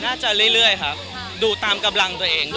เรื่อยครับดูตามกำลังตัวเองด้วย